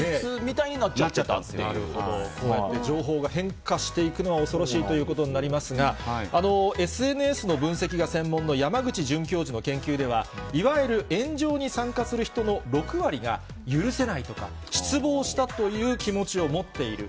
こうやって、情報が変化していくのは、恐ろしいということになりますが、ＳＮＳの分析が専門の山口准教授の研究では、いわゆる炎上に参加する人の６割が、許せないとか、失望したという気持ちを持っている。